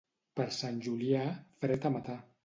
Per Sant Julià, fred a matar.